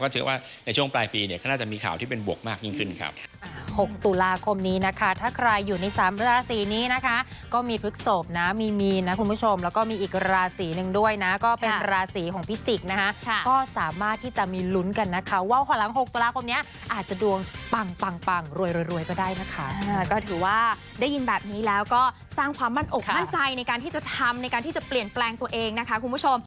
เชื่อว่าในช่วงปลายปีเนี่ยก็น่าจะมีข่าวที่เป็นบวกมากยิ่งขึ้นครับ